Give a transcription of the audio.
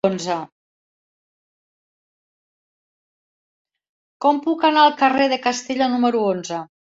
Com puc anar al carrer de Castella número onze?